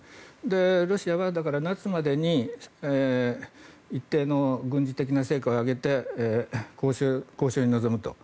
ロシアは夏までに一定の軍事的な成果を上げて交渉に臨むと。